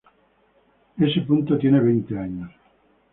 S. tiene veinte años.